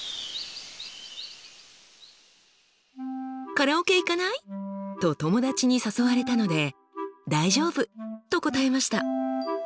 「カラオケ行かない？」と友達に誘われたので「大丈夫」と答えました。